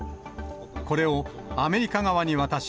これをアメリカ側に渡し、